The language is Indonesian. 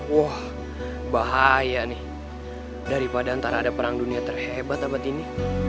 wah bahaya nih daripada antara ada perang dunia terhebat abad ini